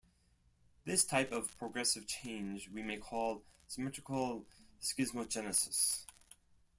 This type of progressive change we may call symmetrical schismogenesis.